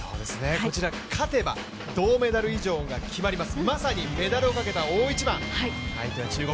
こちら勝てば銅メダル以上が決まります。